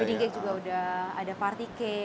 wedding cake juga sudah ada party cake